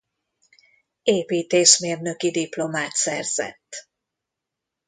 Építészmérnöki diplomát szerzett.